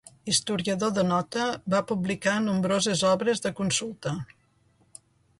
Historiador de nota, va publicar nombroses obres de consulta.